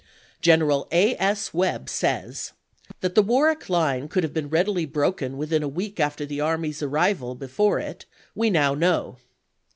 Greneral A. S. Webb says: "That the Warwick line could have been readily broken with in a week after the army's arrival before it, we now "The pen know."